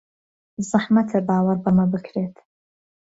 زەحمەتە باوەڕ بەمە بکرێت.